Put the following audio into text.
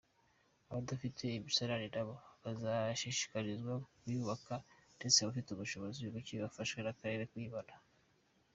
Abadafite imisarane nabo bazashishikarizwa kuyubaka ndetse abafite ubushobozi buke bafashwe na’akarere kuyibonaa.